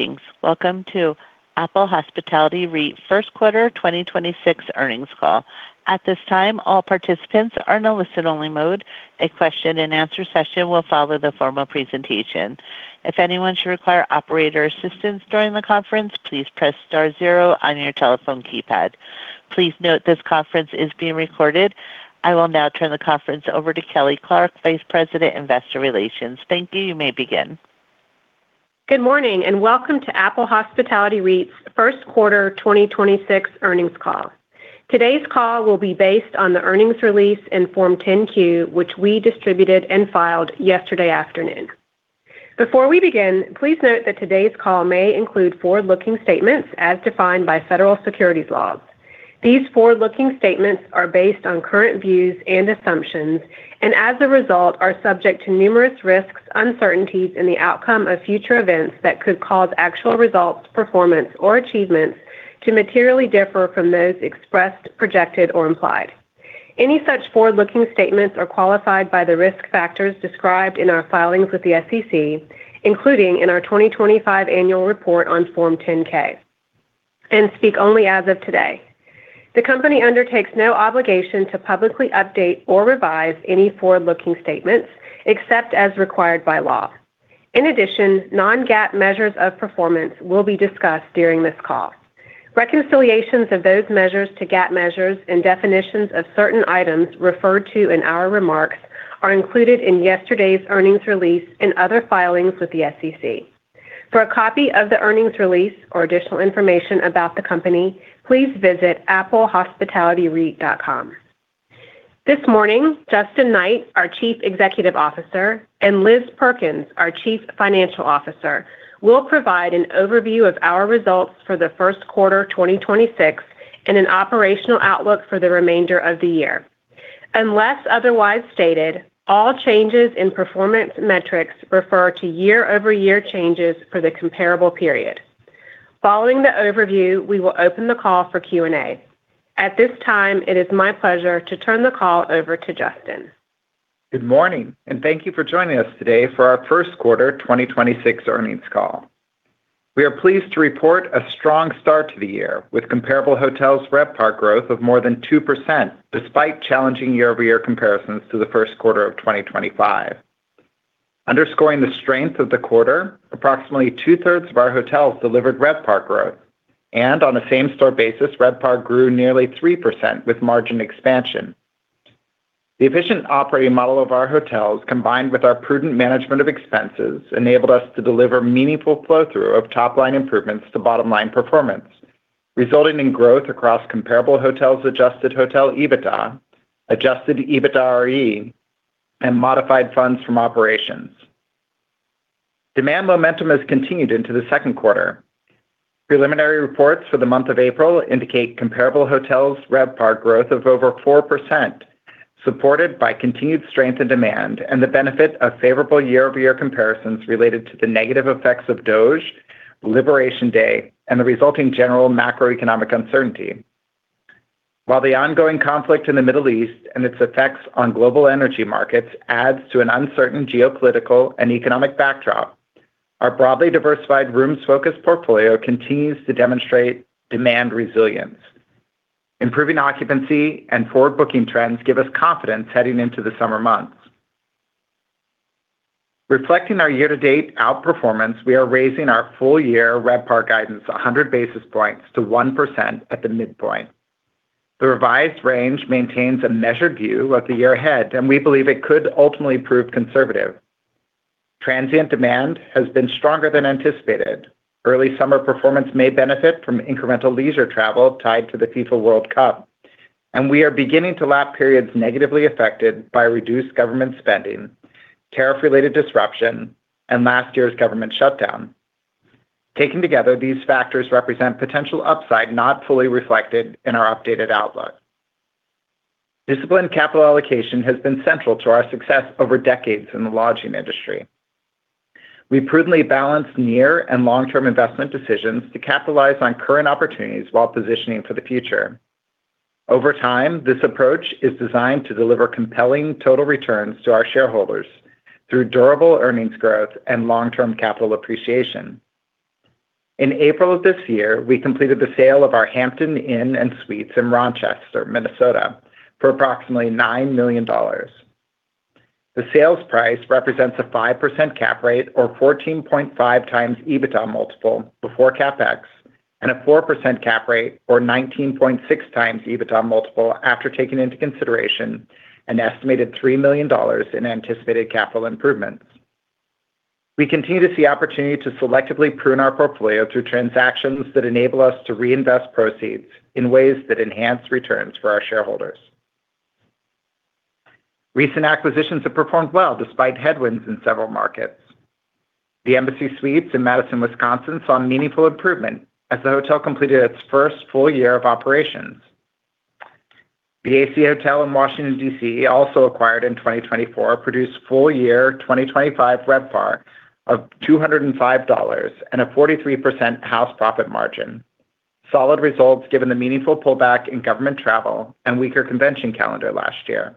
Good evenings. Welcome to Apple Hospitality REIT first quarter 2026 earnings call. At this time, all participants are in a listen-only mode. A question-and-answer session will follow the formal presentation. If anyone should require operator assistance during the conference, please press star zero on your telephone keypad. Please note this conference is being recorded. I will now turn the conference over to Kelly Clarke, Vice President, Investor Relations. Thank you. You may begin. Good morning, and welcome to Apple Hospitality REIT's first quarter 2026 earnings call. Today's call will be based on the earnings release in Form 10-Q, which we distributed and filed yesterday afternoon. Before we begin, please note that today's call may include forward-looking statements as defined by federal securities laws. These forward-looking statements are based on current views and assumptions, and as a result, are subject to numerous risks, uncertainties, and the outcome of future events that could cause actual results, performance, or achievements to materially differ from those expressed, projected, or implied. Any such forward-looking statements are qualified by the risk factors described in our filings with the SEC, including in our 2025 annual report on Form 10-K, and speak only as of today. The company undertakes no obligation to publicly update or revise any forward-looking statements except as required by law. In addition, non-GAAP measures of performance will be discussed during this call. Reconciliations of those measures to GAAP measures and definitions of certain items referred to in our remarks are included in yesterday's earnings release and other filings with the SEC. For a copy of the earnings release or additional information about the company, please visit applehospitalityreit.com. This morning, Justin Knight, our Chief Executive Officer, and Liz Perkins, our Chief Financial Officer, will provide an overview of our results for the first quarter 2026 and an operational outlook for the remainder of the year. Unless otherwise stated, all changes in performance metrics refer to year-over-year changes for the comparable period. Following the overview, we will open the call for Q&A. At this time, it is my pleasure to turn the call over to Justin. Good morning, and thank you for joining us today for our first quarter 2026 earnings call. We are pleased to report a strong start to the year, with comparable hotels RevPAR growth of more than 2% despite challenging year-over-year comparisons to the first quarter of 2025. Underscoring the strength of the quarter, approximately two-thirds of our hotels delivered RevPAR growth, and on a same-store basis, RevPAR grew nearly 3% with margin expansion. The efficient operating model of our hotels, combined with our prudent management of expenses, enabled us to deliver meaningful flow-through of top-line improvements to bottom-line performance, resulting in growth across comparable hotels adjusted hotel EBITDA, adjusted EBITDARE, and modified funds from operations. Demand momentum has continued into the second quarter. Preliminary reports for the month of April indicate comparable hotels RevPAR growth of over 4%, supported by continued strength in demand and the benefit of favorable year-over-year comparisons related to the negative effects of DOGE, Liberation Day, and, the resulting general macroeconomic uncertainty. While the ongoing conflict in the Middle East and its effects on global energy markets adds to an uncertain geopolitical and economic backdrop, our broadly diversified rooms-focused portfolio continues to demonstrate demand resilience. Improving occupancy and forward-booking trends give us confidence heading into the summer months. Reflecting our year-to-date outperformance, we are raising our full-year RevPAR guidance 100 basis points to 1% at the midpoint. The revised range maintains a measured view of the year ahead. We believe it could ultimately prove conservative. Transient demand has been stronger than anticipated. Early summer performance may benefit from incremental leisure travel tied to the FIFA World Cup, and we are beginning to lap periods negatively affected by reduced government spending, tariff-related disruption, and last year's government shutdown. Taken together, these factors represent potential upside not fully reflected in our updated outlook. Disciplined capital allocation has been central to our success over decades in the lodging industry. We prudently balance near- and long-term investment decisions to capitalize on current opportunities while positioning for the future. Over time, this approach is designed to deliver compelling total returns to our shareholders through durable earnings growth and long-term capital appreciation. In April of this year, we completed the sale of our Hampton Inn & Suites in Rochester, Minnesota, for approximately $9 million. The sales price represents a 5% cap rate or 14.5x EBITDA multiple before CapEx and a 4% cap rate or 19.6x EBITDA multiple after taking into consideration an estimated $3 million in anticipated capital improvements. We continue to see opportunity to selectively prune our portfolio through transactions that enable us to reinvest proceeds in ways that enhance returns for our shareholders. Recent acquisitions have performed well despite headwinds in several markets. The Embassy Suites in Madison, Wisconsin, saw meaningful improvement as the hotel completed its first full year of operations. The AC Hotel in Washington, D.C., also acquired in 2024, produced full year 2025 RevPAR of $205 and a 43% house profit margin. Solid results given the meaningful pullback in government travel and weaker convention calendar last year.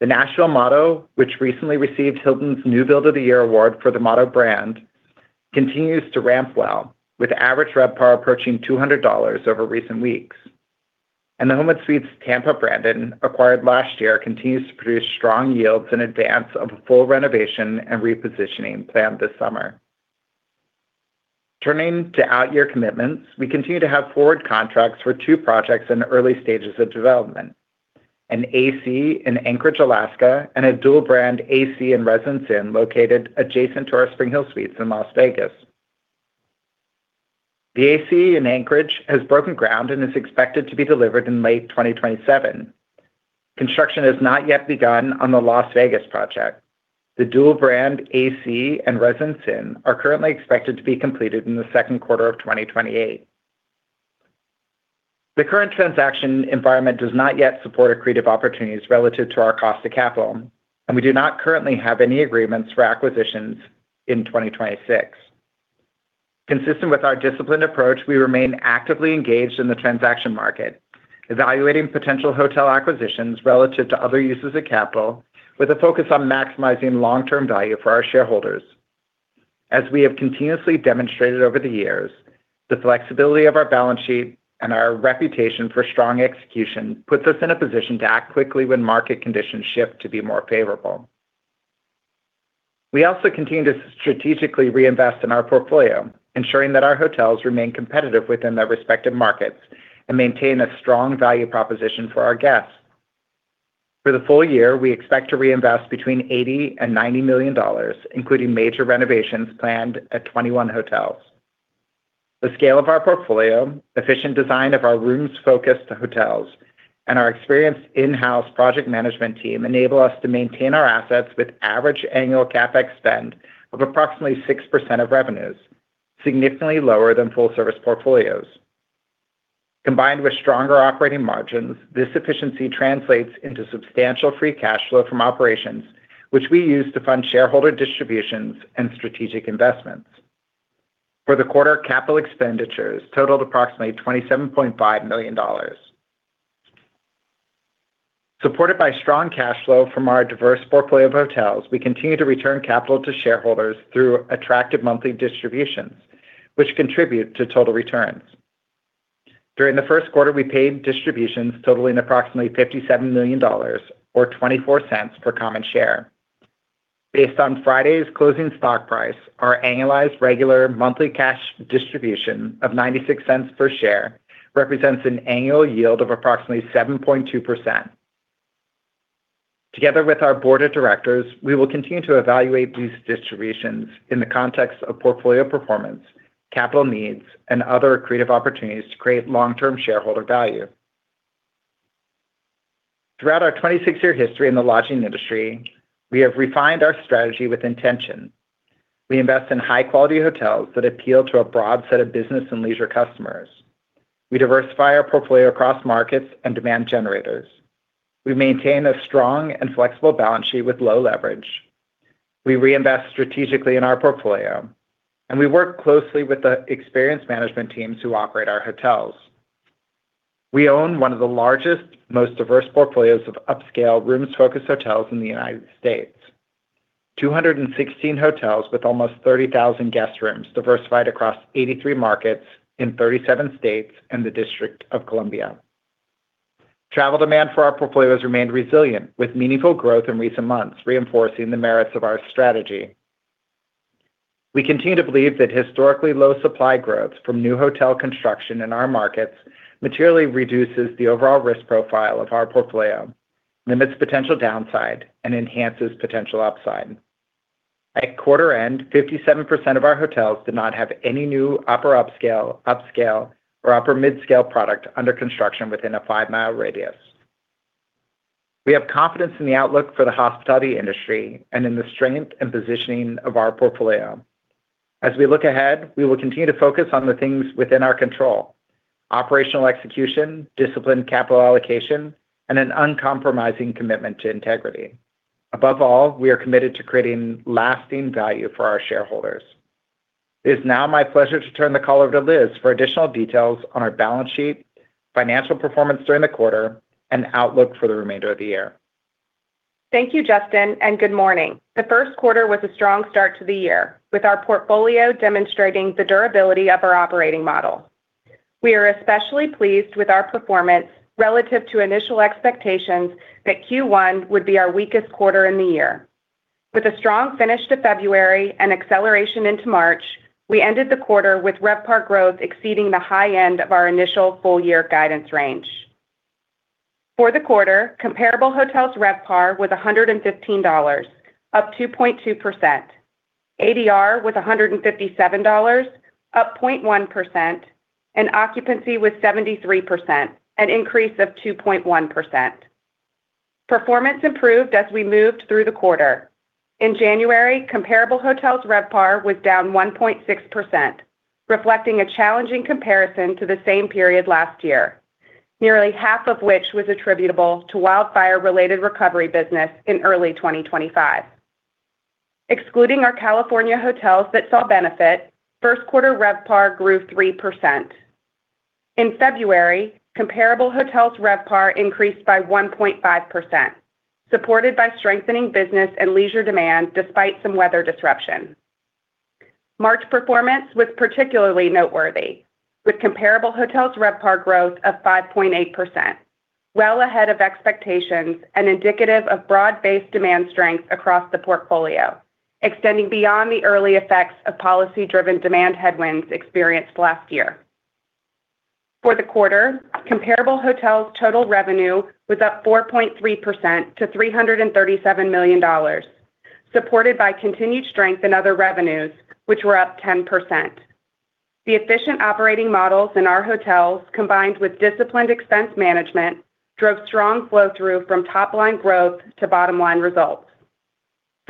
The Nashville Motto, which recently received Hilton's New Build of the Year award for the Motto brand, continues to ramp well, with average RevPAR approaching $200 over recent weeks. The Homewood Suites by Hilton Tampa-Brandon, acquired last year, continues to produce strong yields in advance of a full renovation and repositioning planned this summer. Turning to out-year commitments, we continue to have forward contracts for two projects in the early stages of development: an AC in Anchorage, Alaska, and a dual brand AC and Residence Inn located adjacent to our SpringHill Suites in Las Vegas. The AC in Anchorage has broken ground and is expected to be delivered in May 2027. Construction has not yet begun on the Las Vegas project. The dual brand AC and Residence Inn are currently expected to be completed in the second quarter of 2028. The current transaction environment does not yet support accretive opportunities relative to our cost of capital, and we do not currently have any agreements for acquisitions in 2026. Consistent with our disciplined approach, we remain actively engaged in the transaction market, evaluating potential hotel acquisitions relative to other uses of capital with a focus on maximizing long-term value for our shareholders. As we have continuously demonstrated over the years, the flexibility of our balance sheet and our reputation for strong execution puts us in a position to act quickly when market conditions shift to be more favorable. We also continue to strategically reinvest in our portfolio, ensuring that our hotels remain competitive within their respective markets and maintain a strong value proposition for our guests. For the full year, we expect to reinvest between $80 million and $90 million, including major renovations planned at 21 hotels. The scale of our portfolio, efficient design of our rooms focused hotels, and our experienced in-house project management team enable us to maintain our assets with average annual CapEx spend of approximately 6% of revenues, significantly lower than full service portfolios. Combined with stronger operating margins, this efficiency translates into substantial free cash flow from operations, which we use to fund shareholder distributions and strategic investments. For the quarter, capital expenditures totaled approximately $27.5 million. Supported by strong cash flow from our diverse portfolio of hotels, we continue to return capital to shareholders through attractive monthly distributions, which contribute to total returns. During the first quarter, we paid distributions totaling approximately $57 million or $0.24 per common share. Based on Friday's closing stock price, our annualized regular monthly cash distribution of $0.96 per share represents an annual yield of approximately 7.2%. Together with our board of directors, we will continue to evaluate these distributions in the context of portfolio performance, capital needs, and other accretive opportunities to create long-term shareholder value. Throughout our 26-year history in the lodging industry, we have refined our strategy with intention. We invest in high quality hotels that appeal to a broad set of business and leisure customers. We diversify our portfolio across markets and demand generators. We maintain a strong and flexible balance sheet with low leverage. We reinvest strategically in our portfolio, and we work closely with the experienced management teams who operate our hotels. We own one of the largest, most diverse portfolios of upscale rooms-focused hotels in the U.S. 216 hotels with almost 30,000 guest rooms diversified across 83 markets in 37 states and the District of Columbia. Travel demand for our portfolios remained resilient, with meaningful growth in recent months reinforcing the merits of our strategy. We continue to believe that historically low supply growth from new hotel construction in our markets materially reduces the overall risk profile of our portfolio, limits potential downside, and enhances potential upside. At quarter end, 57% of our hotels did not have any new upper upscale, or upper mid-scale product under construction within a 5-mile radius. We have confidence in the outlook for the hospitality industry and in the strength and positioning of our portfolio. As we look ahead, we will continue to focus on the things within our control: operational execution, disciplined capital allocation, and an uncompromising commitment to integrity. Above all, we are committed to creating lasting value for our shareholders. It is now my pleasure to turn the call over to Liz for additional details on our balance sheet, financial performance during the quarter, and outlook for the remainder of the year. Thank you, Justin. Good morning. The first quarter was a strong start to the year, with our portfolio demonstrating the durability of our operating model. We are especially pleased with our performance relative to initial expectations that Q1 would be our weakest quarter in the year. With a strong finish to February and acceleration into March, we ended the quarter with RevPAR growth exceeding the high end of our initial full year guidance range. For the quarter, comparable hotels RevPAR was $115, up 2.2%. ADR was $157, up 0.1%, and occupancy was 73%, an increase of 2.1%. Performance improved as we moved through the quarter. In January, comparable hotels RevPAR was down 1.6%, reflecting a challenging comparison to the same period last year, nearly half of which was attributable to wildfire-related recovery business in early 2025. Excluding our California hotels that saw benefit, first quarter RevPAR grew 3%. In February, comparable hotels RevPAR increased by 1.5%, supported by strengthening business and leisure demand despite some weather disruption. March performance was particularly noteworthy, with comparable hotels RevPAR growth of 5.8%, well ahead of expectations and indicative of broad-based demand strength across the portfolio, extending beyond the early effects of policy-driven demand headwinds experienced last year. For the quarter, comparable hotels total revenue was up 4.3% to $337 million, supported by continued strength in other revenues, which were up 10%. The efficient operating models in our hotels, combined with disciplined expense management, drove strong flow-through from top-line growth to bottom-line results.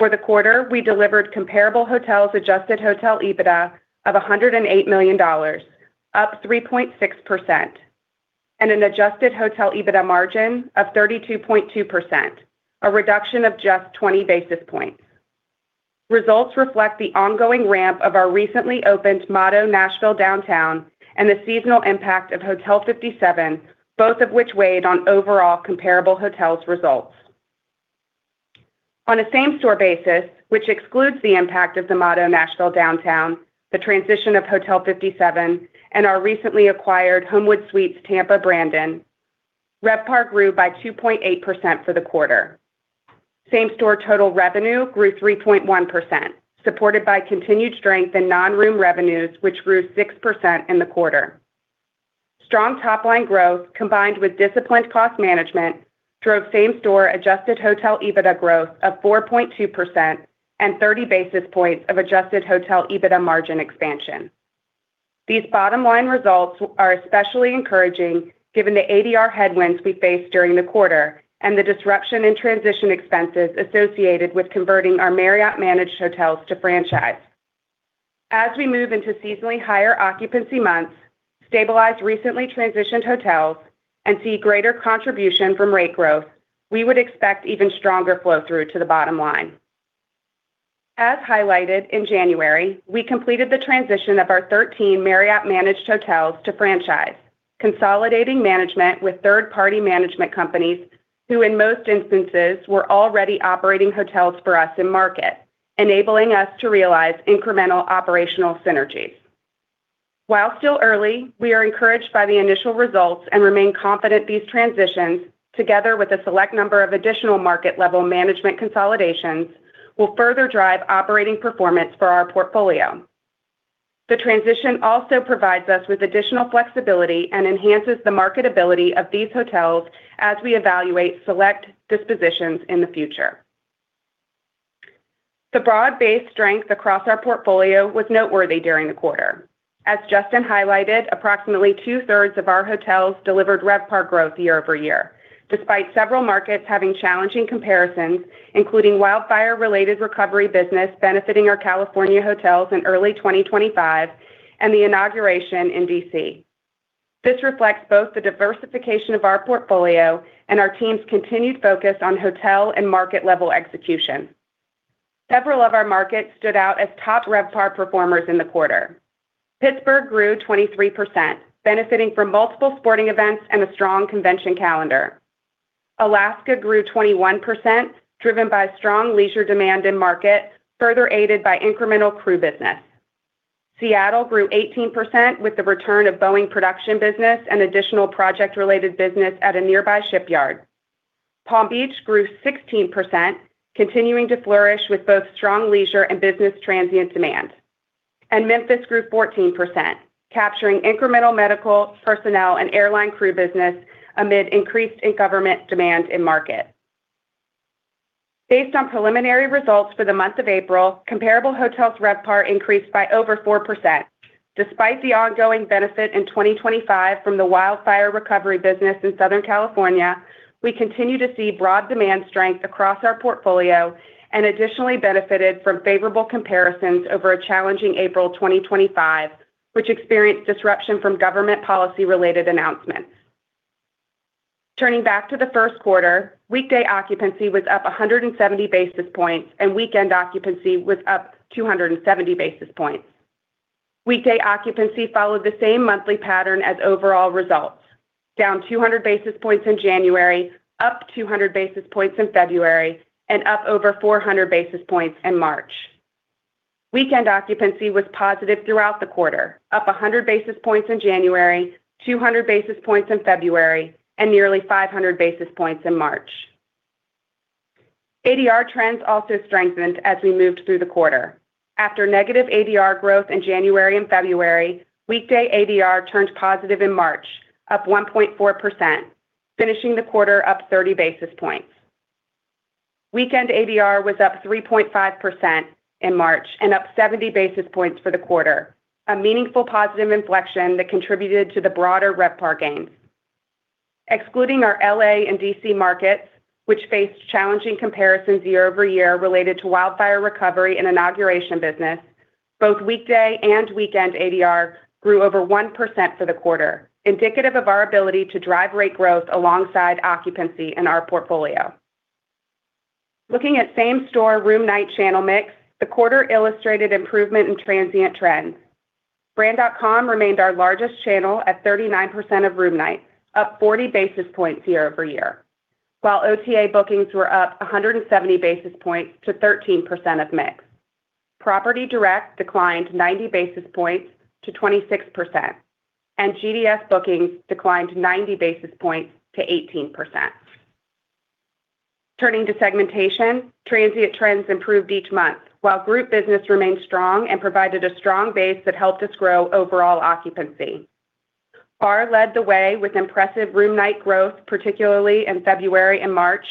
For the quarter, we delivered comparable hotels adjusted hotel EBITDA of $108 million, up 3.6%, and an adjusted hotel EBITDA margin of 32.2%, a reduction of just 20 basis points. Results reflect the ongoing ramp of our recently opened Motto by Hilton Nashville Downtown and the seasonal impact of Hotel 57, both of which weighed on overall comparable hotels results. On a same-store basis, which excludes the impact of the Motto by Hilton Nashville Downtown, the transition of Hotel 57, and our recently acquired Homewood Suites by Hilton Tampa-Brandon, RevPAR grew by 2.8% for the quarter. Same-store total revenue grew 3.1%, supported by continued strength in non-room revenues, which grew 6% in the quarter. Strong top-line growth combined with disciplined cost management drove same-store adjusted hotel EBITDA growth of 4.2% and 30 basis points of adjusted hotel EBITDA margin expansion. These bottom-line results are especially encouraging given the ADR headwinds we faced during the quarter and the disruption in transition expenses associated with converting our Marriott-managed hotels to franchise. As we move into seasonally higher occupancy months, stabilized recently transitioned hotels, and see greater contribution from rate growth, we would expect even stronger flow-through to the bottom line. As highlighted in January, we completed the transition of our 13 Marriott-managed hotels to franchise, consolidating management with third-party management companies who in most instances were already operating hotels for us in market, enabling us to realize incremental operational synergies. While still early, we are encouraged by the initial results and remain confident these transitions, together with a select number of additional market level management consolidations, will further drive operating performance for our portfolio. The transition also provides us with additional flexibility and enhances the marketability of these hotels as we evaluate select dispositions in the future. The broad-based strength across our portfolio was noteworthy during the quarter. As Justin highlighted, approximately two-thirds of our hotels delivered RevPAR growth year-over-year, despite several markets having challenging comparisons, including wildfire-related recovery business benefiting our California hotels in early 2025 and the inauguration in D.C. This reflects both the diversification of our portfolio and our team's continued focus on hotel and market level execution. Several of our markets stood out as top RevPAR performers in the quarter. Pittsburgh grew 23%, benefiting from multiple sporting events and a strong convention calendar. Alaska grew 21%, driven by strong leisure demand in market, further aided by incremental crew business. Seattle grew 18% with the return of Boeing production business and additional project-related business at a nearby shipyard. Palm Beach grew 16%, continuing to flourish with both strong leisure and business transient demand. Memphis grew 14%, capturing incremental medical, personnel, and airline crew business amid increased in government demand in market. Based on preliminary results for the month of April, comparable hotels RevPAR increased by over 4%. Despite the ongoing benefit in 2025 from the wildfire recovery business in Southern California, we continue to see broad demand strength across our portfolio and additionally benefited from favorable comparisons over a challenging April 2025, which experienced disruption from government policy related announcements. Turning back to the first quarter, weekday occupancy was up 170 basis points, and weekend occupancy was up 270 basis points. Weekday occupancy followed the same monthly pattern as overall results, down 200 basis points in January, up 200 basis points in February, and up over 400 basis points in March. Weekend occupancy was positive throughout the quarter, up 100 basis points in January, 200 basis points in February, and nearly 500 basis points in March. ADR trends also strengthened as we moved through the quarter. After negative ADR growth in January and February, weekday ADR turned positive in March, up 1.4%, finishing the quarter up 30 basis points. Weekend ADR was up 3.5% in March and up 70 basis points for the quarter, a meaningful positive inflection that contributed to the broader RevPAR gains. Excluding our L.A. and D.C. markets, which faced challenging comparisons year-over-year related to wildfire recovery and inauguration business. Both weekday and weekend ADR grew over 1% for the quarter, indicative of our ability to drive rate growth alongside occupancy in our portfolio. Looking at same-store room night channel mix, the quarter illustrated improvement in transient trends. Brand.com remained our largest channel at 39% of room nights, up 40 basis points year-over-year, while OTA bookings were up 170 basis points to 13% of mix. Property direct declined 90 basis points to 26%, and GDS bookings declined 90 basis points to 18%. Turning to segmentation, transient trends improved each month while group business remained strong and provided a strong base that helped us grow overall occupancy. BAR led the way with impressive room night growth, particularly in February and March,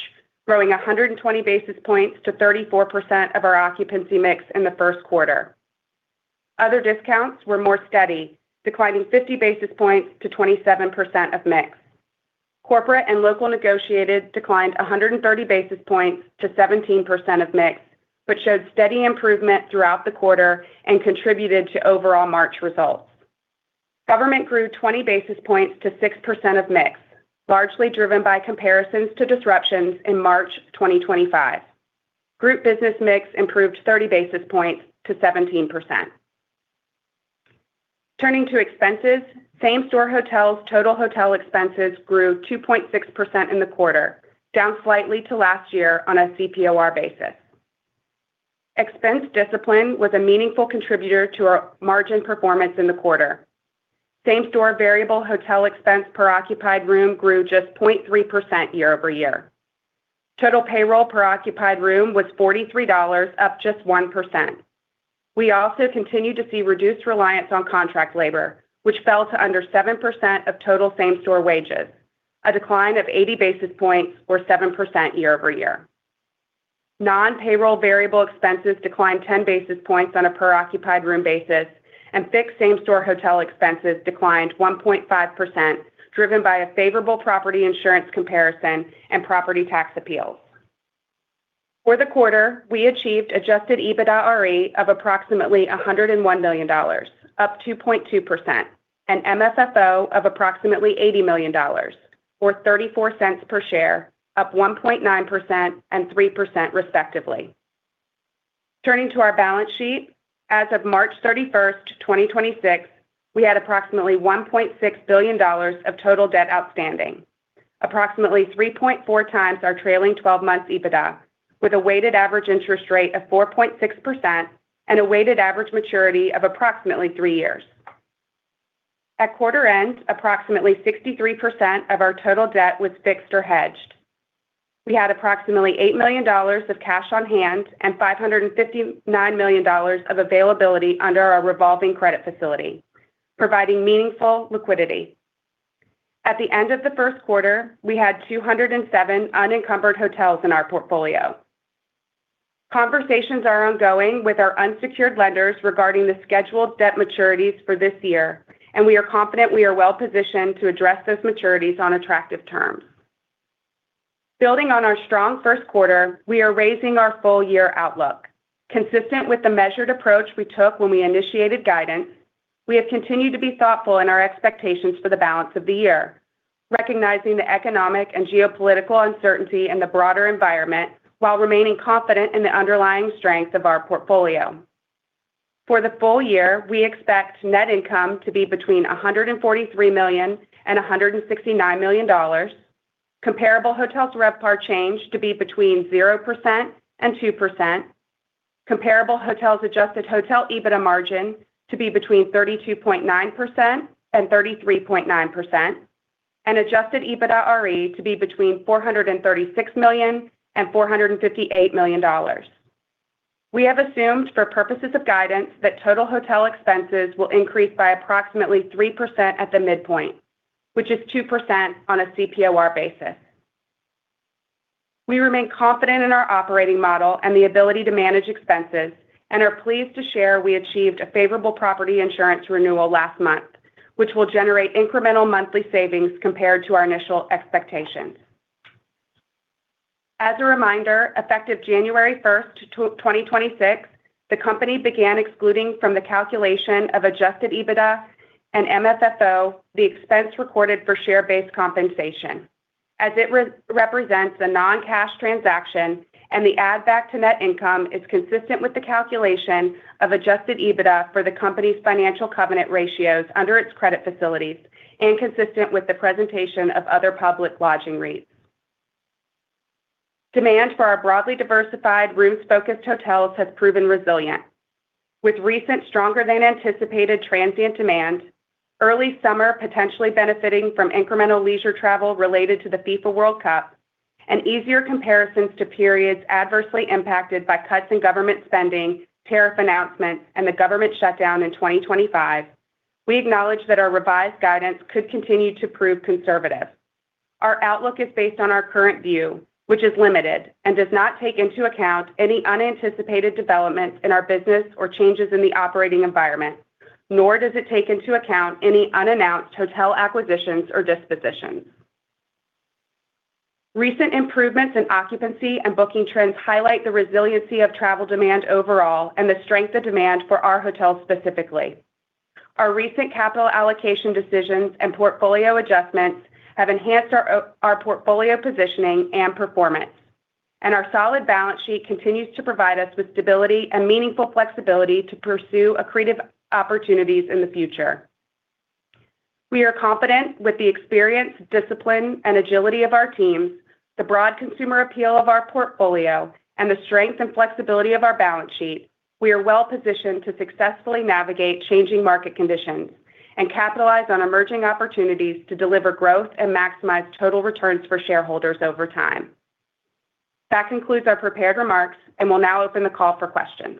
growing 120 basis points to 34% of our occupancy mix in the first quarter. Other discounts were more steady, declining 50 basis points to 27% of mix. Corporate and local negotiated declined 130 basis points to 17% of mix, but showed steady improvement throughout the quarter and contributed to overall March results. Government grew 20 basis points to 6% of mix, largely driven by comparisons to disruptions in March 2025. Group business mix improved 30 basis points to 17%. Turning to expenses, same-store hotels' total hotel expenses grew 2.6% in the quarter, down slightly to last year on a CPOR basis. Expense discipline was a meaningful contributor to our margin performance in the quarter. Same-store variable hotel expense per occupied room grew just 0.3% year-over-year. Total payroll per occupied room was $43, up just 1%. We also continued to see reduced reliance on contract labor, which fell to under 7% of total same-store wages, a decline of 80 basis points or 7% year-over-year. Non-payroll variable expenses declined 10 basis points on a per occupied room basis, and fixed same-store hotel expenses declined 1.5%, driven by a favorable property insurance comparison and property tax appeals. For the quarter, we achieved adjusted EBITDARE of approximately $101 million, up 2.2%, and MFFO of approximately $80 million, or $0.34 per share, up 1.9% and 3% respectively. Turning to our balance sheet, as of March 31, 2026, we had approximately $1.6 billion of total debt outstanding, approximately 3.4x our trailing 12 months EBITDA, with a weighted average interest rate of 4.6% and a weighted average maturity of approximately three years. At quarter end, approximately 63% of our total debt was fixed or hedged. We had approximately $8 million of cash on hand and $559 million of availability under our revolving credit facility, providing meaningful liquidity. At the end of the first quarter, we had 207 unencumbered hotels in our portfolio. Conversations are ongoing with our unsecured lenders regarding the scheduled debt maturities for this year, and we are confident we are well-positioned to address those maturities on attractive terms. Building on our strong first quarter, we are raising our full-year outlook. Consistent with the measured approach we took when we initiated guidance, we have continued to be thoughtful in our expectations for the balance of the year, recognizing the economic and geopolitical uncertainty in the broader environment while remaining confident in the underlying strength of our portfolio. For the full year, we expect net income to be between $143 million to $169 million, comparable hotels' RevPAR change to be between 0%-2%, comparable hotels' adjusted hotel EBITDA margin to be between 32.9%-33.9%, and adjusted EBITDARE to be between $436 million to $458 million. We have assumed for purposes of guidance that total hotel expenses will increase by approximately 3% at the midpoint, which is 2% on a CPOR basis. We remain confident in our operating model and the ability to manage expenses and are pleased to share we achieved a favorable property insurance renewal last month, which will generate incremental monthly savings compared to our initial expectations. As a reminder, effective January 1st, 2026, the Company began excluding from the calculation of adjusted EBITDA and MFFO the expense recorded for share-based compensation, as it re-represents a non-cash transaction and the add back to net income is consistent with the calculation of adjusted EBITDA for the Company's financial covenant ratios under its credit facilities and consistent with the presentation of other public lodging REITs. Demand for our broadly diversified room-focused hotels has proven resilient. With recent stronger-than-anticipated transient demand, early summer potentially benefiting from incremental leisure travel related to the FIFA World Cup, and easier comparisons to periods adversely impacted by cuts in government spending, tariff announcements, and the government shutdown in 2025, we acknowledge that our revised guidance could continue to prove conservative. Our outlook is based on our current view, which is limited and does not take into account any unanticipated developments in our business or changes in the operating environment, nor does it take into account any unannounced hotel acquisitions or dispositions. Recent improvements in occupancy and booking trends highlight the resiliency of travel demand overall and the strength of demand for our hotels specifically. Our recent capital allocation decisions and portfolio adjustments have enhanced our portfolio positioning and performance. Our solid balance sheet continues to provide us with stability and meaningful flexibility to pursue accretive opportunities in the future. We are confident with the experience, discipline, and agility of our teams, the broad consumer appeal of our portfolio, and the strength and flexibility of our balance sheet. We are well-positioned to successfully navigate changing market conditions and capitalize on emerging opportunities to deliver growth and maximize total returns for shareholders over time. That concludes our prepared remarks, and we'll now open the call for questions.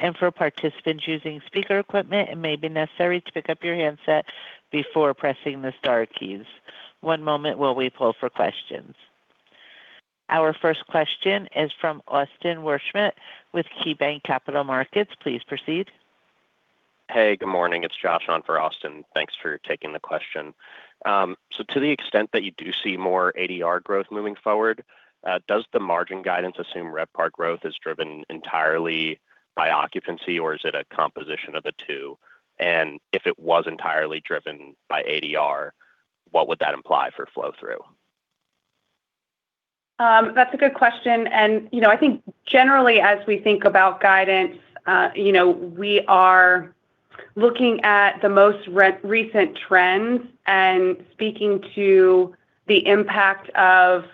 Our first question is from Austin Wurschmidt with KeyBanc Capital Markets. Please proceed. Hey, good morning. It's Josh on for Austin. Thanks for taking the question. To the extent that you do see more ADR growth moving forward, does the margin guidance assume RevPAR growth is driven entirely by occupancy, or is it a composition of the two? If it was entirely driven by ADR, what would that imply for flow-through? That's a good question. You know, I think generally as we think about guidance, you know, we are looking at the most recent trends and speaking to the impact of,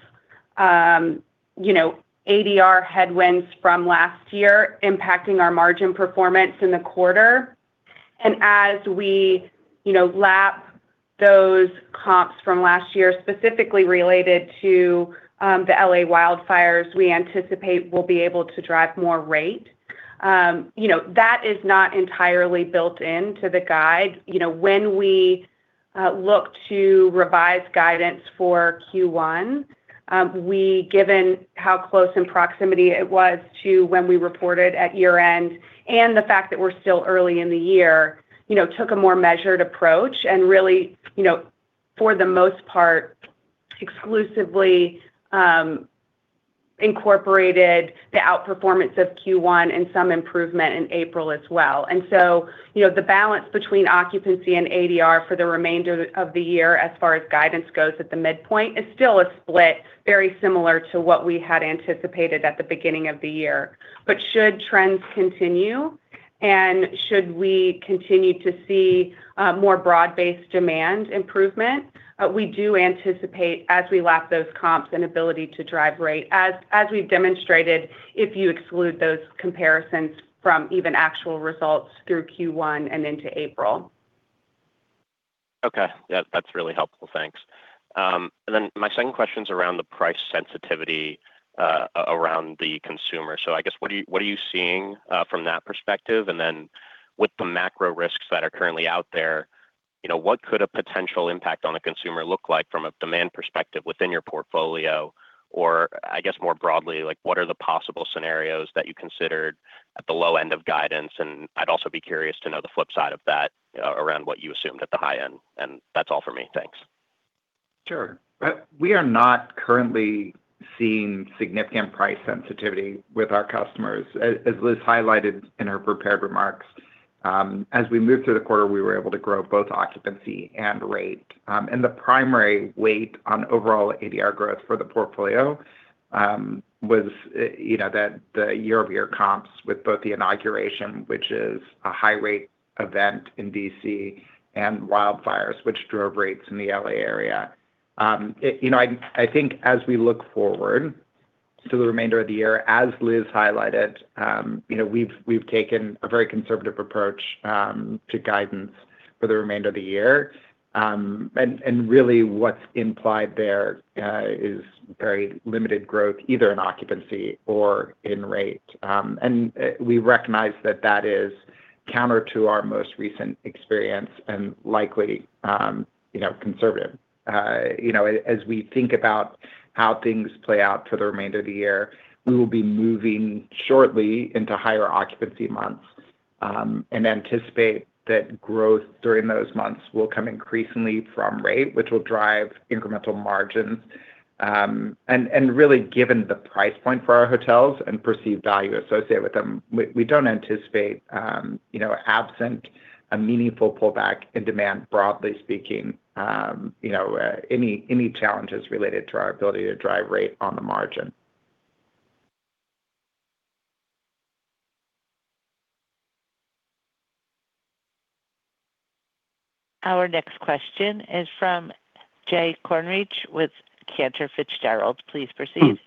you know, ADR headwinds from last year impacting our margin performance in the quarter. As we, you know, lap those comps from last year, specifically related to, the L.A. wildfires, we anticipate we'll be able to drive more rate. You know, that is not entirely built into the guide. When we look to revise guidance for Q1, given how close in proximity it was to when we reported at year-end and the fact that we're still early in the year, you know, took a more measured approach and really, you know, for the most part, exclusively, incorporated the outperformance of Q1 and some improvement in April as well. The balance between occupancy and ADR for the remainder of the year as far as guidance goes at the midpoint is still a split very similar to what we had anticipated at the beginning of the year. Should trends continue and should we continue to see more broad-based demand improvement, we do anticipate as we lap those comps and ability to drive rate, as we've demonstrated, if you exclude those comparisons from even actual results through Q1 and into April. Okay. That's really helpful. Thanks. My second question is around the price sensitivity around the consumer. I guess, what are you seeing from that perspective? With the macro risks that are currently out there, you know, what could a potential impact on a consumer look like from a demand perspective within your portfolio? Or I guess more broadly, like, what are the possible scenarios that you considered at the low end of guidance? I'd also be curious to know the flip side of that around what you assumed at the high end. That's all for me. Thanks. Sure. We are not currently seeing significant price sensitivity with our customers. As Liz highlighted in her prepared remarks, as we moved through the quarter, we were able to grow both occupancy and rate. The primary weight on overall ADR growth for the portfolio was, you know, the year-over-year comps with both the inauguration, which is a high rate event in D.C., and wildfires, which drove rates in the L.A. area. You know, I think as we look forward to the remainder of the year, as Liz highlighted, you know, we've taken a very conservative approach to guidance for the remainder of the year. Really what's implied there is very limited growth either in occupancy or in rate. We recognize that that is counter to our most recent experience and likely, you know, conservative. You know, as we think about how things play out for the remainder of the year, we will be moving shortly into higher occupancy months and anticipate that growth during those months will come increasingly from rate, which will drive incremental margins. Really given the price point for our hotels and perceived value associated with them, we don't anticipate, you know, absent a meaningful pullback in demand, broadly speaking, you know, any challenges related to our ability to drive rate on the margin. Our next question is from Jay Kornreich with Cantor Fitzgerald. Please proceed.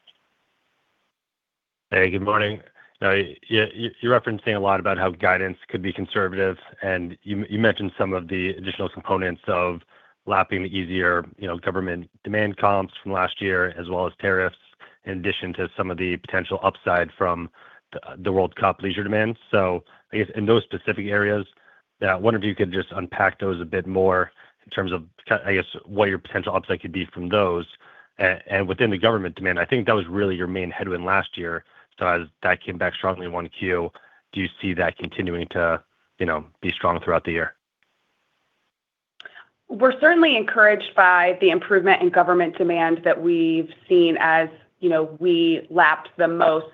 Hey, good morning. Now, you're referencing a lot about how guidance could be conservative, and you mentioned some of the additional components of lapping the easier, you know, government demand comps from last year, as well as tariffs, in addition to some of the potential upside from the World Cup leisure demand. I guess in those specific areas. I wonder if you could just unpack those a bit more in terms of I guess, what your potential upside could be from those. Within the government demand, I think that was really your main headwind last year, so as that came back strongly in 1Q. Do you see that continuing to, you know, be strong throughout the year? We're certainly encouraged by the improvement in government demand that we've seen as, you know, we lapped the most,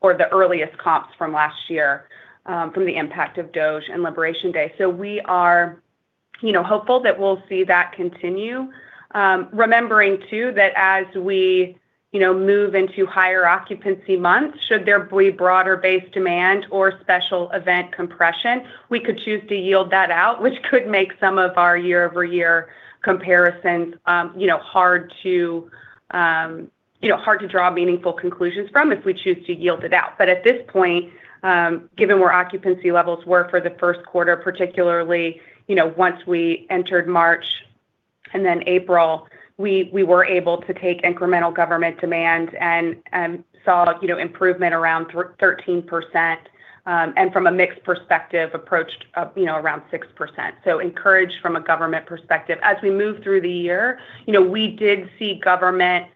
or the earliest comps from last year, from the impact of DOGE and Liberation Day. We are, you know, hopeful that we'll see that continue. Remembering too that as we, you know, move into higher occupancy months, should there be broader base demand or special event compression, we could choose to yield that out, which could make some of our year-over-year comparisons, you know, hard to, you know, hard to draw meaningful conclusions from if we choose to yield it out. At this point, given where occupancy levels were for the first quarter, particularly, you know, once we entered March and then April, we were able to take incremental government demand and saw, you know, improvement around 13%, and from a mixed perspective approached up, you know, around 6%. Encouraged from a government perspective. As we move through the year, you know, we did see government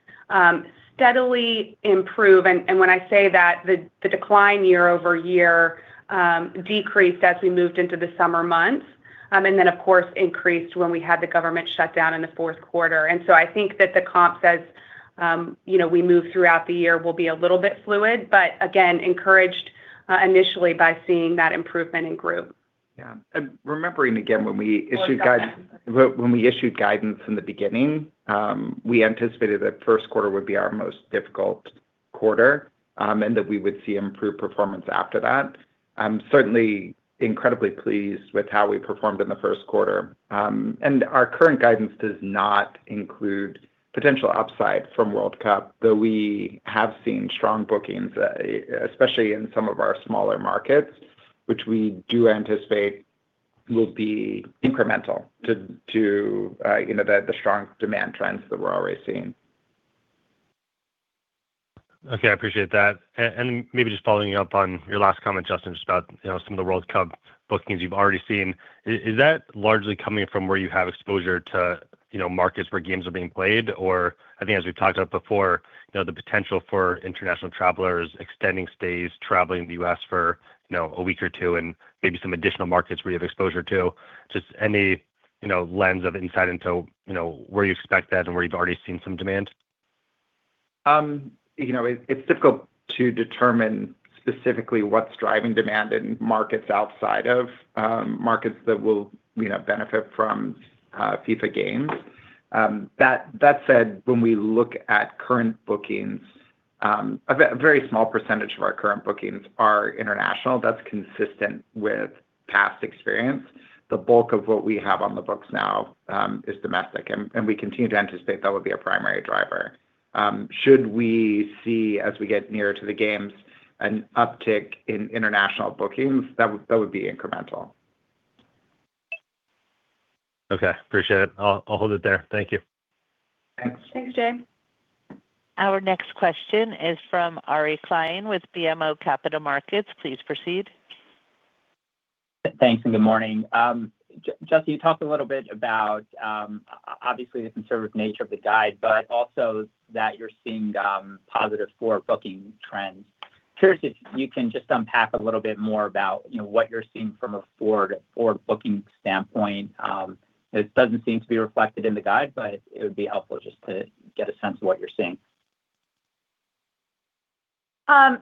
steadily improve. When I say that, the decline year-over-year decreased as we moved into the summer months, and then of course increased when we had the government shutdown in the fourth quarter. I think that the comps as, you know, we move throughout the year will be a little bit fluid, but again, encouraged initially by seeing that improvement in group. Yeah. Remembering again, when we issued. Oh, go ahead. When we issued guidance in the beginning, we anticipated that first quarter would be our most difficult quarter, and that we would see improved performance after that. I'm certainly incredibly pleased with how we performed in the first quarter. Our current guidance does not include potential upside from World Cup, though we have seen strong bookings, especially in some of our smaller markets, which we do anticipate will be incremental to, you know, the strong demand trends that we're already seeing. Okay. I appreciate that. Maybe just following up on your last comment, Justin, just about, you know, some of the FIFA World Cup bookings you've already seen. Is that largely coming from where you have exposure to, you know, markets where games are being played? I think as we've talked about before, you know, the potential for international travelers extending stays, traveling the U.S. for, you know, a week or two, and maybe some additional markets where you have exposure to. Just any, you know, lens of insight into, you know, where you expect that and where you've already seen some demand. You know, it's difficult to determine specifically what's driving demand in markets outside of markets that will, you know, benefit from FIFA games. That said, when we look at current bookings, a very small percentage of our current bookings are international. That's consistent with past experience. The bulk of what we have on the books now is domestic, and we continue to anticipate that would be a primary driver. Should we see, as we get nearer to the games, an uptick in international bookings, that would be incremental. Okay. Appreciate it. I'll hold it there. Thank you. Thanks. Thanks, Jay. Our next question is from Ari Klein with BMO Capital Markets. Please proceed. Thanks, good morning. Justin, you talked a little bit about obviously the conservative nature of the guide, but also that you're seeing positive forward booking trends. Curious if you can just unpack a little bit more about, you know, what you're seeing from a forward booking standpoint. It doesn't seem to be reflected in the guide, but it would be helpful just to get a sense of what you're seeing. I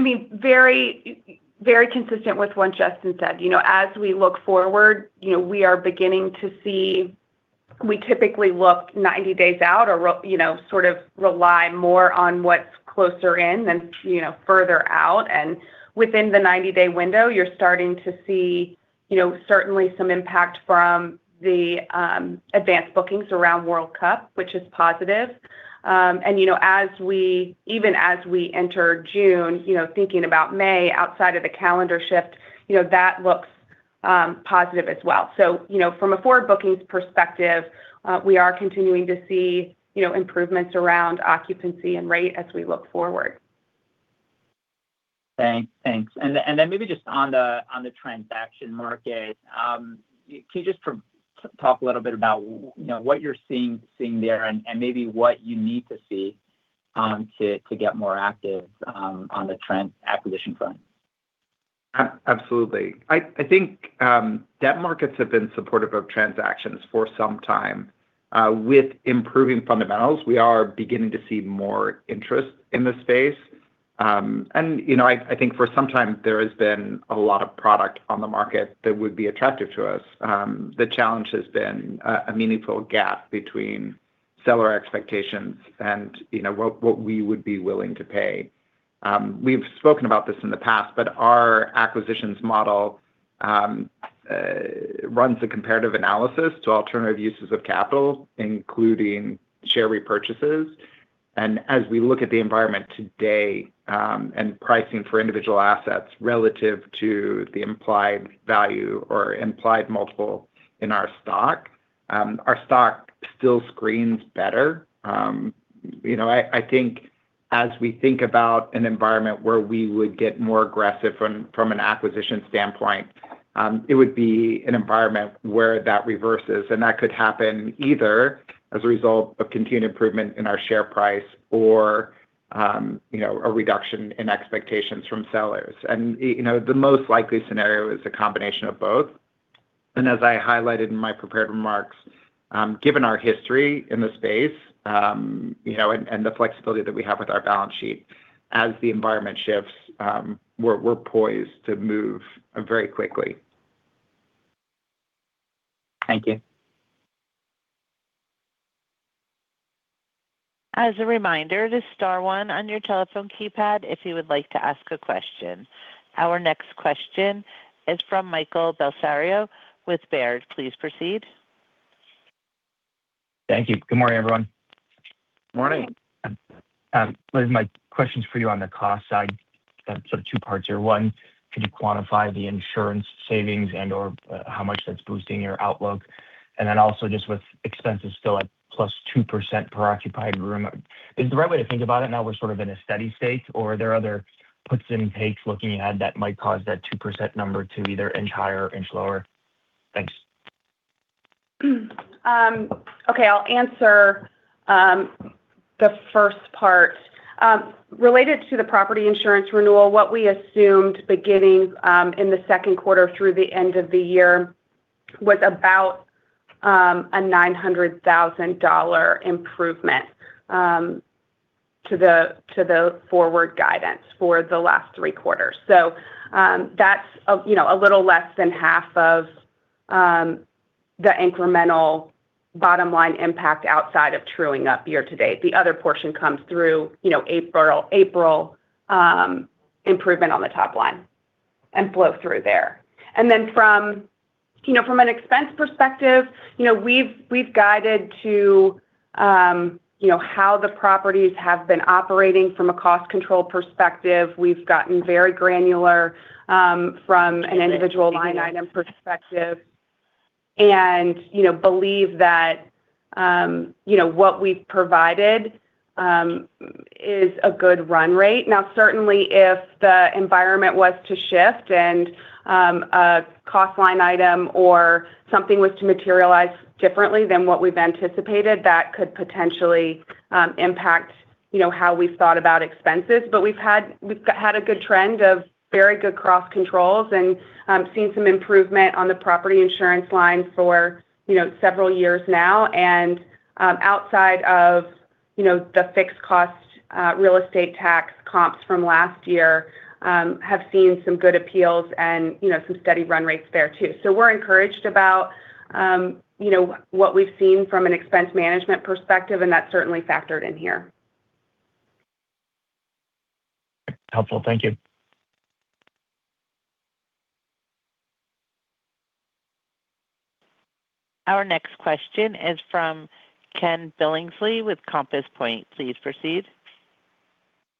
mean, very, very consistent with what Justin said. You know, as we look forward, you know, we are beginning to see. We typically look 90 days out or you know, sort of rely more on what's closer in than, you know, further out. Within the 90-day window, you're starting to see, you know, certainly some impact from the advanced bookings around World Cup, which is positive. You know, even as we enter June, you know, thinking about May outside of the calendar shift, you know, that looks positive as well. You know, from a forward bookings perspective, we are continuing to see, you know, improvements around occupancy and rate as we look forward. Thanks. Then maybe just on the transaction market, can you talk a little bit about, you know, what you're seeing there and maybe what you need to see to get more active on the acquisition front? Absolutely. I think debt markets have been supportive of transactions for some time. With improving fundamentals, we are beginning to see more interest in this space. You know, I think for some time, there has been a lot of product on the market that would be attractive to us. The challenge has been a meaningful gap between seller expectations and you know, what we would be willing to pay. We've spoken about this in the past, but our acquisitions model runs a comparative analysis to alternative uses of capital, including share repurchases. As we look at the environment today, and pricing for individual assets relative to the implied value or implied multiple in our stock, our stock still screens better. You know, I think as we think about an environment where we would get more aggressive from an acquisition standpoint, it would be an environment where that reverses. That could happen either as a result of continued improvement in our share price or, you know, a reduction in expectations from sellers. You know, the most likely scenario is a combination of both. As I highlighted in my prepared remarks, given our history in the space, you know, and the flexibility that we have with our balance sheet as the environment shifts, we're poised to move very quickly. Thank you. As a reminder to star one on your telephone keypad if you would like to ask a question. Our next question is from Michael Bellisario with Baird. Please proceed. Thank you. Good morning, everyone. Morning. Liz, my question's for you on the cost side. Sort of two parts here. One, can you quantify the insurance savings and/or, how much that's boosting your outlook? Also just with expenses still at plus 2% per occupied room, is the right way to think about it now we're sort of in a steady state, or are there other puts and takes looking ahead that might cause that 2% number to either inch higher or inch lower? Thanks. I'll answer the first part. Related to the property insurance renewal, what we assumed beginning in the second quarter through the end of the year was about a $900,000 improvement to the forward guidance for the last three quarters. That's a, you know, a little less than half of the incremental bottom line impact outside of truing up year to date. The other portion comes through, you know, April improvement on the top line and flow through there. From, you know, from an expense perspective, you know, we've guided to, you know, how the properties have been operating from a cost control perspective. We've gotten very granular from an individual line item perspective. You know, believe that, you know, what we've provided, is a good run rate. Now, certainly if the environment was to shift and, a cost line item or something was to materialize differently than what we've anticipated, that could potentially, impact, you know, how we've thought about expenses. We've had a good trend of very good cost controls and, seen some improvement on the property insurance line for, you know, several years now. Outside of, you know, the fixed cost, real estate tax comps from last year, have seen some good appeals and, you know, some steady run rates there too. We're encouraged about, you know, what we've seen from an expense management perspective, and that's certainly factored in here. Helpful. Thank you. Our next question is from Ken Billingsley with Compass Point. Please proceed.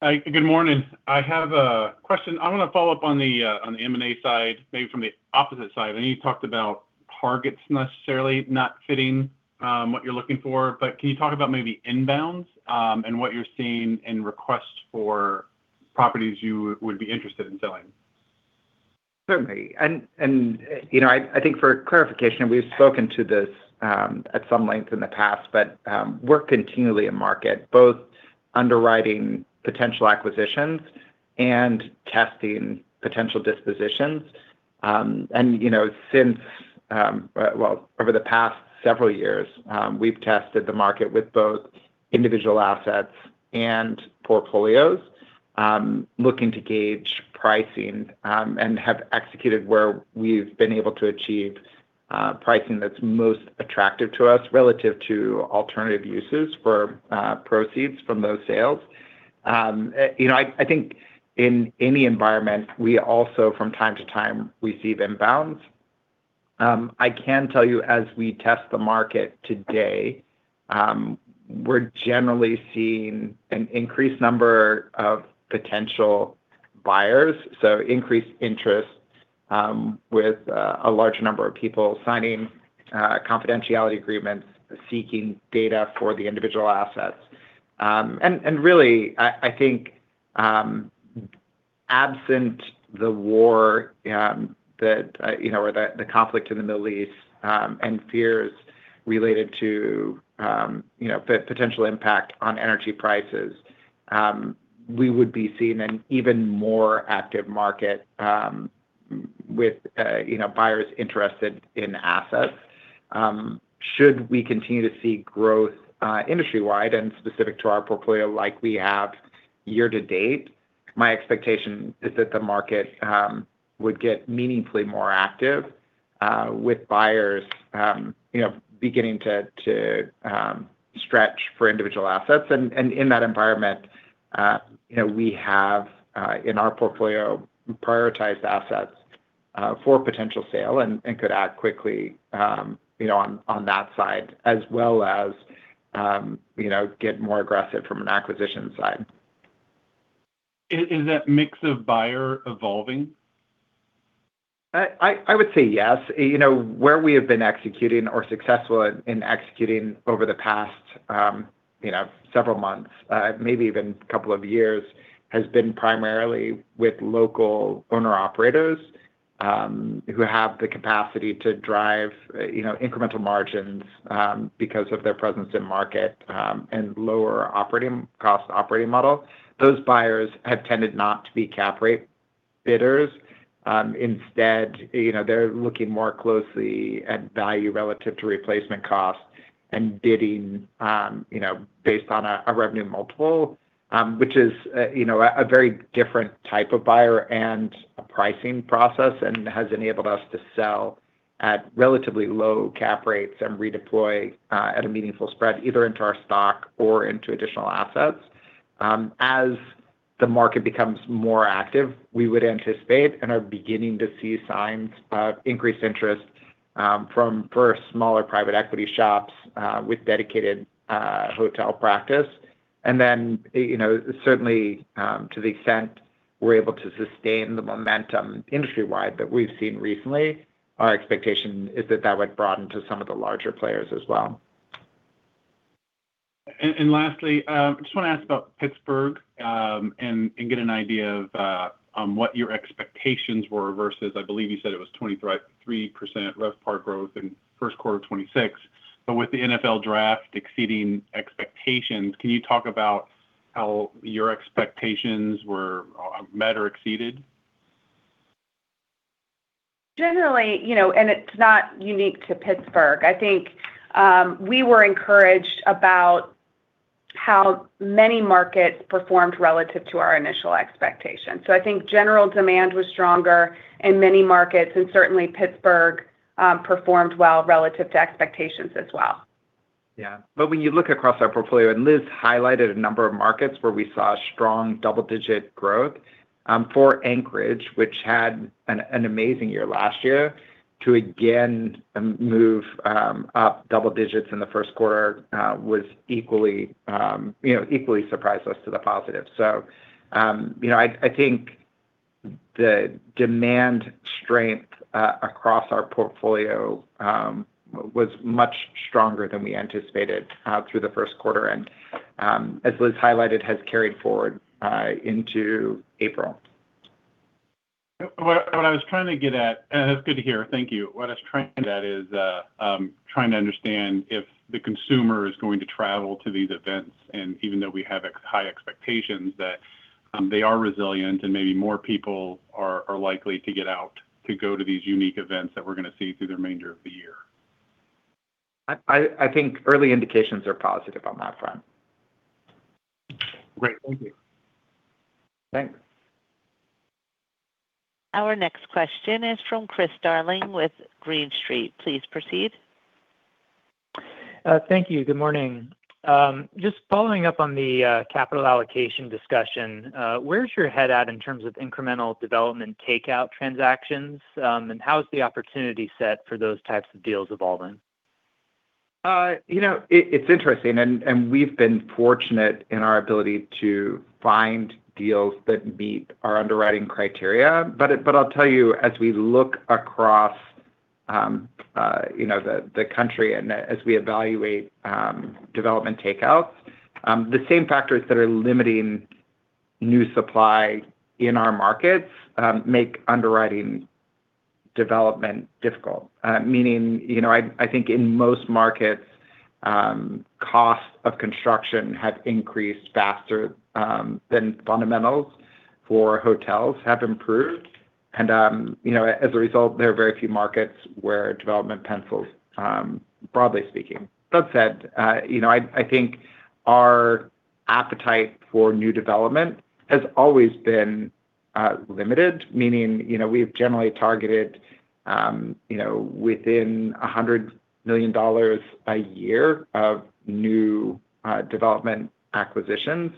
Hi. Good morning. I have a question. I wanna follow up on the M&A side, maybe from the opposite side. I know you talked about targets necessarily not fitting what you're looking for, but can you talk about maybe inbounds and what you're seeing in requests for properties you would be interested in selling? Certainly. You know, I think for clarification, we've spoken to this at some length in the past, but, we're continually a market, both underwriting potential acquisitions and testing potential dispositions. You know, since, well, over the past several years, we've tested the market with both individual assets and portfolios, looking to gauge pricing, and have executed where we've been able to achieve pricing that's most attractive to us relative to alternative uses for proceeds from those sales. You know, I think in any environment, we also from time to time receive inbounds. I can tell you as we test the market today, we're generally seeing an increased number of potential buyers, so increased interest, with a large number of people signing confidentiality agreements, seeking data for the individual assets. Really, I think, absent the war that, you know, or the conflict in the Middle East, and fears related to, you know, potential impact on energy prices, we would be seeing an even more active market, with, you know, buyers interested in assets. Should we continue to see growth industry-wide and specific to our portfolio like we have year to date, my expectation is that the market would get meaningfully more active with buyers, you know, beginning to stretch for individual assets. In that environment, you know, we have, in our portfolio prioritized assets, for potential sale and could act quickly, you know, on that side as well as, you know, get more aggressive from an acquisition side. Is that mix of buyer evolving? I would say yes. You know, where we have been executing or successful at, in executing over the past, you know, several months, maybe even couple of years, has been primarily with local owner-operators, who have the capacity to drive, you know, incremental margins, because of their presence in market, and lower operating cost operating model. Those buyers have tended not to be cap rate bidders. Instead, you know, they're looking more closely at value relative to replacement cost and bidding, you know, based on a revenue multiple, which is, you know, a very different type of buyer and a pricing process and has enabled us to sell at relatively low cap rates and redeploy at a meaningful spread either into our stock or into additional assets. As the market becomes more active, we would anticipate and are beginning to see signs of increased interest from, for smaller private equity shops with dedicated hotel practice. You know, certainly, to the extent we're able to sustain the momentum industry-wide that we've seen recently, our expectation is that that would broaden to some of the larger players as well. Lastly, I just wanna ask about Pittsburgh, and get an idea of what your expectations were versus I believe you said it was 3% RevPAR growth in first quarter 2026. With the NFL Draft exceeding expectations, can you talk about how your expectations were met or exceeded? Generally, you know, it's not unique to Pittsburgh, I think, we were encouraged about how many markets performed relative to our initial expectations. I think general demand was stronger in many markets, and certainly Pittsburgh, performed well relative to expectations as well. When you look across our portfolio, Liz highlighted a number of markets where we saw strong double-digit growth. For Anchorage, which had an amazing year last year, to again move up double digits in the first quarter, was equally, you know, equally surprised us to the positive. You know, I think the demand strength across our portfolio was much stronger than we anticipated through the first quarter, and as Liz highlighted, has carried forward into April. That's good to hear. Thank you. What I was trying to get at is trying to understand if the consumer is going to travel to these events, and even though we have high expectations that they are resilient and maybe more people are likely to get out to go to these unique events that we're gonna see through the remainder of the year. I think early indications are positive on that front. Great. Thank you. Thanks. Our next question is from Chris Darling with Green Street. Please proceed. Thank you. Good morning. Just following up on the capital allocation discussion, where's your head at in terms of incremental development takeout transactions? How's the opportunity set for those types of deals evolving? You know, it's interesting, and we've been fortunate in our ability to find deals that meet our underwriting criteria. I'll tell you, as we look across, you know, the country as we evaluate development takeouts, the same factors that are limiting new supply in our markets make underwriting development difficult. Meaning, you know, I think in most markets, cost of construction have increased faster than fundamentals for hotels have improved. You know, as a result, there are very few markets where development pencils, broadly speaking. That said, you know, I think our appetite for new development has always been limited, meaning, you know, we've generally targeted, you know, within $100 million a year of new development acquisitions.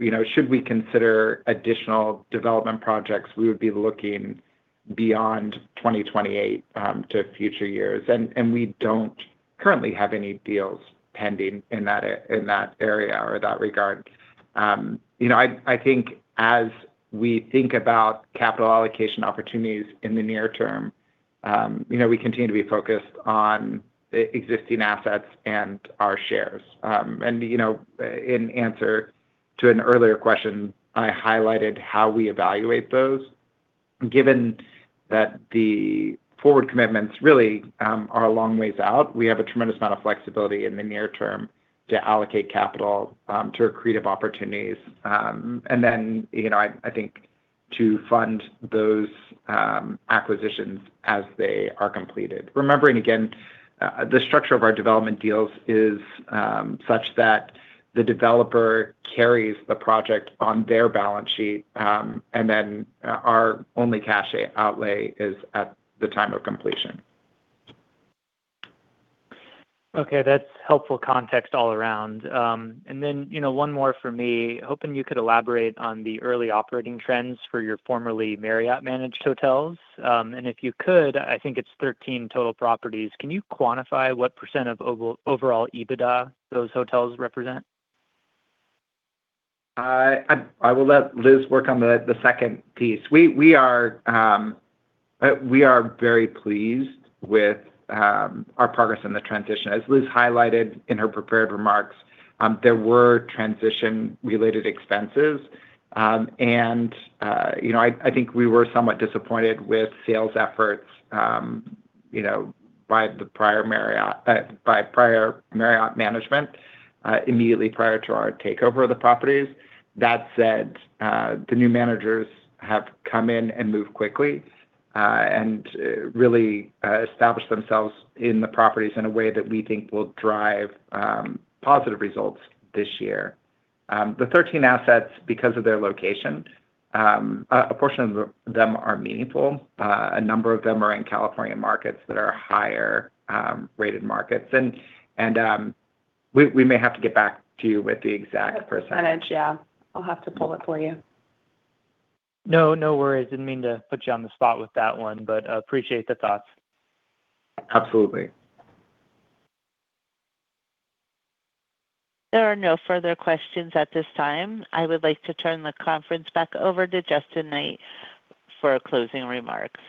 You know, should we consider additional development projects, we would be looking beyond 2028 to future years. We don't currently have any deals pending in that area or that regard. You know, I think as we think about capital allocation opportunities in the near term, you know, we continue to be focused on existing assets and our shares. You know, in answer to an earlier question, I highlighted how we evaluate those. Given that the forward commitments really are a long ways out, we have a tremendous amount of flexibility in the near term to allocate capital to accretive opportunities. You know, I think to fund those acquisitions as they are completed. Remembering again, the structure of our development deals is such that the developer carries the project on their balance sheet, and then our only cash outlay is at the time of completion. Okay. That's helpful context all around. You know, one more for me. Hoping you could elaborate on the early operating trends for your formerly Marriott managed hotels. If you could, I think it's 13 total properties, can you quantify what percent of overall EBITDA those hotels represent? I will let Liz work on the second piece. We are very pleased with our progress in the transition. As Liz highlighted in her prepared remarks, there were transition-related expenses. You know, I think we were somewhat disappointed with sales efforts, you know, by prior Marriott management immediately prior to our takeover of the properties. That said, the new managers have come in and moved quickly and really established themselves in the properties in a way that we think will drive positive results this year. The 13 assets, because of their location, a portion of them are meaningful. A number of them are in California markets that are higher rated markets. We may have to get back to you with the exact percent. Percentage, yeah. I'll have to pull it for you. No, no worries. Didn't mean to put you on the spot with that one, but appreciate the thoughts. Absolutely. There are no further questions at this time. I would like to turn the conference back over to Justin Knight for closing remarks.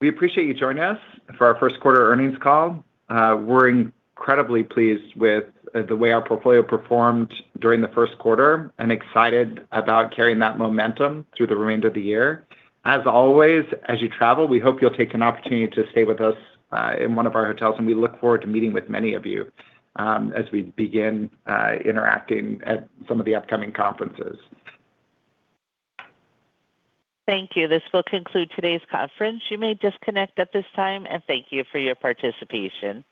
We appreciate you joining us for our first quarter earnings call. We're incredibly pleased with the way our portfolio performed during the first quarter and excited about carrying that momentum through the remainder of the year. As always, as you travel, we hope you'll take an opportunity to stay with us in one of our hotels, and we look forward to meeting with many of you as we begin interacting at some of the upcoming conferences. Thank you. This will conclude today's conference. You may disconnect at this time, and thank you for your participation.